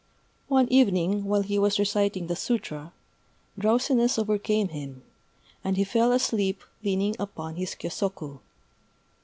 One evening, while he was reciting the Sûtra, drowsiness overcame him; and he fell asleep leaning upon his kyôsoku.